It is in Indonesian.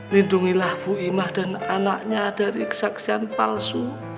lindungilah bu imah dan anaknya dari kesaksian palsu